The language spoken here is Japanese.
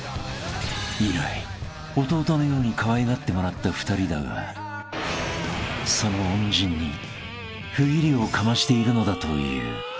［以来弟のようにかわいがってもらった２人だがその恩人に不義理をかましているのだという］